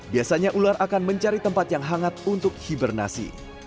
biasanya ular akan mencari tempat yang hangat untuk hibernasi